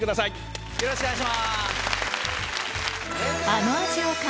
よろしくお願いします！